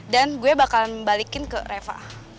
dan gue bakalan balikin ke reva